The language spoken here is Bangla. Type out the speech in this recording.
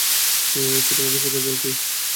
এসো তোমাকে শেখাই জল কী!